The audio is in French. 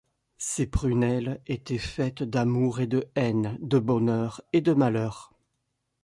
Ses prunelles étaient faites d’amour et de haine, de bonheur et de malheur.